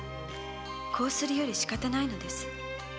こうするよりしかたないのです。